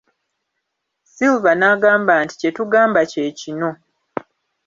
Silver n'agamba nti kye tugamba kye kino.